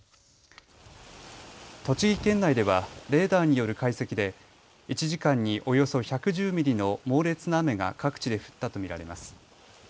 栃木県内ではレーダーによる解析で１時間におよそ１１０ミリの猛烈な雨が各地で降ったと見られます。